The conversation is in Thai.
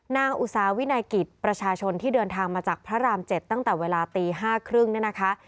นางอุตสาห์วินายกิจประชาชนที่เดินทางมาจากพระรามเจ็ดตั้งแต่เวลาตีห้าครึ่งนะคะ